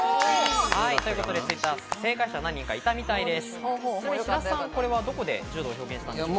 Ｔｗｉｔｔｅｒでの正解者が何人かいたみたいです。